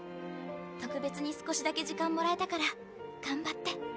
特別に少しだけ時間もらえたから頑張って。